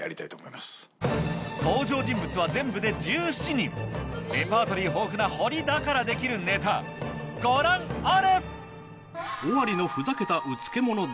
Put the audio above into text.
登場人物は全部で１７人レパートリー豊富なホリだからできるネタご覧あれ！